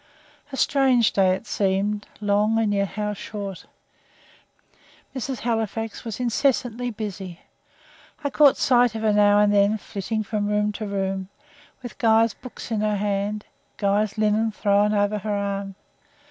A strange day it seemed long and yet how short! Mrs. Halifax was incessantly busy. I caught sight of her now and then, flitting from room to room, with Guy's books in her hand Guy's linen thrown across her arm.